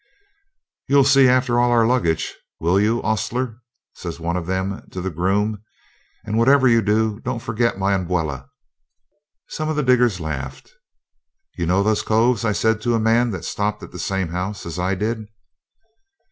'You'll see after all our luggage, will you, ostler?' says one of them to the groom, 'and whatever you do don't forget my umbwella!' Some of the diggers laughed. 'Know those coves?' I said to a man that stopped at the same house as I did.